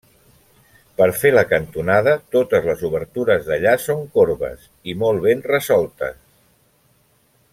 Per fer la cantonada totes les obertures d'allà són corbes i molt ben resoltes.